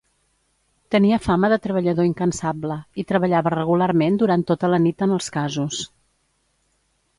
Tenia fama de treballador incansable, i treballava regularment durant tota la nit en els casos.